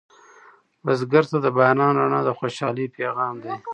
بزګر ته د باران رڼا د خوشحالۍ پیغام دی